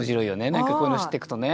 何かこういうの知っていくとね。